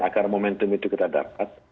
agar momentum itu kita dapat